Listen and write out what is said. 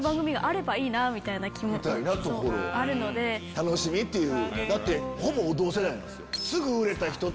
楽しみっていう。